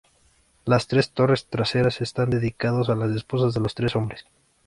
Las tres torres traseras están dedicados a las esposas de los tres hombres.